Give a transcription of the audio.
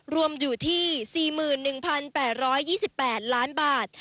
รวมอยู่ที่๔๑๘๒๘ล้านบาท